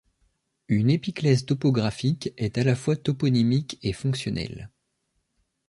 Une épiclèse topographique est à la fois toponymique et fonctionnelle.